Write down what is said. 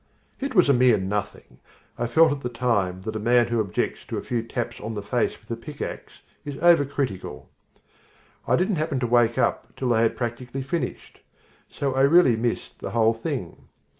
It was a mere nothing. I felt at the time that a man who objects to a few taps on the face with a pickax is overcritical. I didn't happen to wake up till they had practically finished. So I really missed the whole thing.